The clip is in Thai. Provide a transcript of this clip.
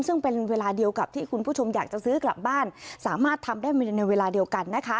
ซึ่งเป็นเวลาเดียวกับที่คุณผู้ชมอยากจะซื้อกลับบ้านสามารถทำได้ในเวลาเดียวกันนะคะ